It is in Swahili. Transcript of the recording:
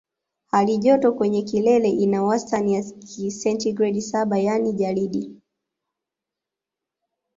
Halijoto kwenye kilele ina wastani ya sentigredi saba yaani jalidi